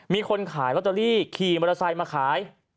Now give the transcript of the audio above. มีคนขายลอตเตอรี่ขี่มอเตอร์ไซค์มาขาย